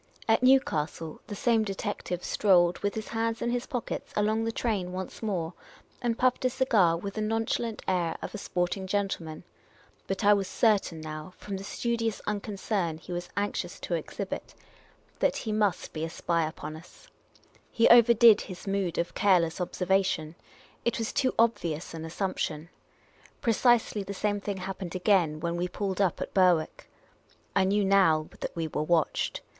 At Newcastle, the same de tective strolled, with his hands in his pockets, along the train once more, and puffed a cigar with the nonchalant air of a sporting gentleman. But I was certain now, from the studious unconcern he was anxious to exhibit, that he must 1 HE TOOK A LONG, CARELESS STARE AT MK. be a spy upon us. He overdid his mood of careless observa tion. It was too obvious an assumption. Precisely the same thing happened again when we pulled up at Berwick, I knew now that we were watched.